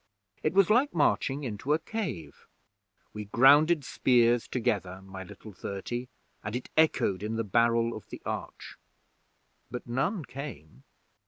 It was like marching into a cave. We grounded spears together, my little thirty, and it echoed in the barrel of the arch, but none came.